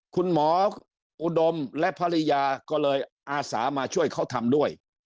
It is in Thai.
คุณหมออุดมและภรรยาก็เลยอาสามาช่วยเขาทำด้วย